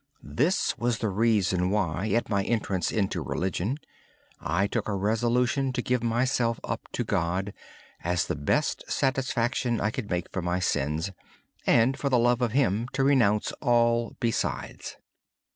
Instead, at my entrance into religious life, I took a resolution to give myself up to God as the best satisfaction I could make for my sins and, for the love of Him, to renounce all besides.